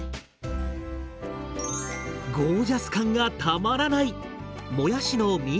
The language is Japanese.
ゴージャス感がたまらない！